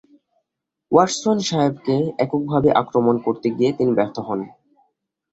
Watson সাহেবকে এককভাবে আক্রমণ করতে গিয়ে তিনি ব্যর্থ হন।